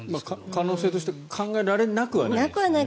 可能性として考えられなくはない。